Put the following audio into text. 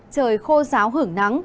trời khô giáo hưởng nắng